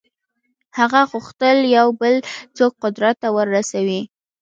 هغه غوښتل یو بل څوک قدرت ته ورسوي.